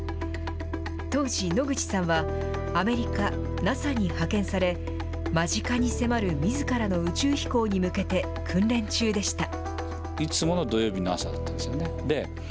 当時、野口さんはアメリカ・ＮＡＳＡに派遣され、間近に迫るみずからの宇宙飛行に向けて訓練中でした。